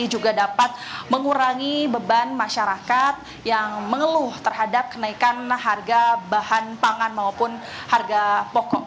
juga dapat mengurangi beban masyarakat yang mengeluh terhadap kenaikan harga bahan pangan maupun harga pokok